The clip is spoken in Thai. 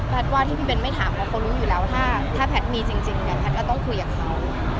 ว่าที่พี่เบ้นไม่ถามเพราะเขารู้อยู่แล้วถ้าแพทย์มีจริงเนี่ยแพทย์ก็ต้องคุยกับเขา